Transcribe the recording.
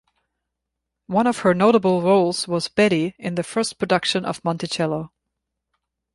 One of her notable roles was "Betty" in the first production of "Monticello".